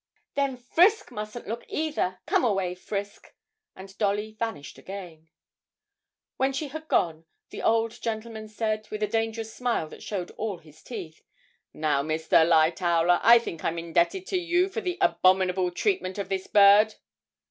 'Then Frisk mustn't look either; come away, Frisk,' and Dolly vanished again. When she had gone, the old gentleman said, with a dangerous smile that showed all his teeth, 'Now, Mr. Lightowler, I think I'm indebted to you for the abominable treatment of this bird?'